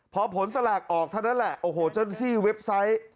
พอผลสลากออกเท่านั้นแหละโอ้โหเจ้าหน้าที่เว็บไซต์